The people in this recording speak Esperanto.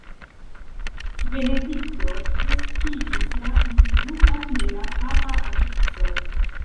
Benedikto kreskigis la influon de la papa ofico.